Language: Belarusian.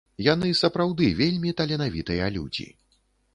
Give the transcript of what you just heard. Яны сапраўды вельмі таленавітыя людзі.